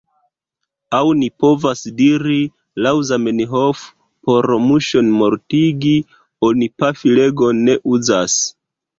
Aŭ ni povas diri laŭ Zamenhof: por muŝon mortigi, oni pafilegon ne uzas.